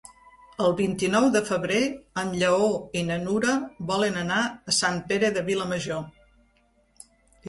El vint-i-nou de febrer en Lleó i na Nura volen anar a Sant Pere de Vilamajor.